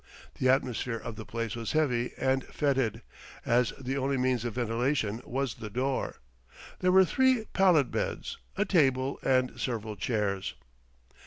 The atmosphere of the place was heavy and foetid, as the only means of ventilation was the door. There were three pallet beds, a table and several chairs.